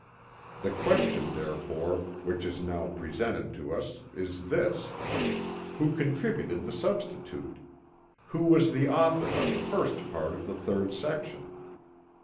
The question therefore which is now presented to us is this, Who contributed the substitute? Who was the author of the first part of the 3d section?